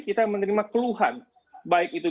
kita menerima keluhan baik itu